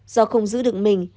do không giữ được mình